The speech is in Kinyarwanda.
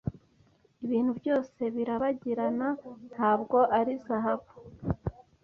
Ibintu byose birabagirana ntabwo ari zahabu.